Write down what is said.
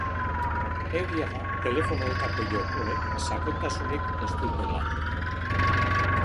Egia da telefonoetako jokoek sakontasunik ez dutela.